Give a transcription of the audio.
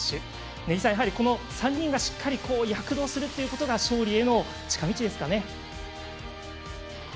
根木さん、この３人がしっかり躍動するというのが勝利への近道ですかね。